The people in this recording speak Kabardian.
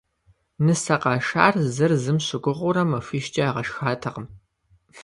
Нысэ къашар зыр зым щыгугъыурэ махуищкӏэ ягъэшхатэкъым.